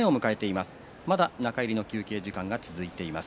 まだ中入りの休憩時間が続いています。